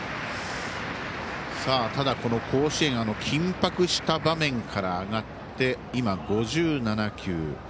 ただ、甲子園緊迫した場面から上がって今５７球。